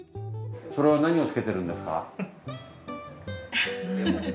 それは何をつけてるんですか？